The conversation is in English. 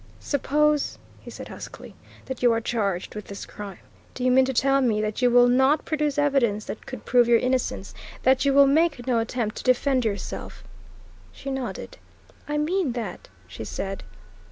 "Suppose," he said huskily, "that you are charged with this crime. Do you mean to tell me that you will not produce evidence that could prove your innocence, that you will make no attempt to defend yourself?" She nodded. "I mean that," she said.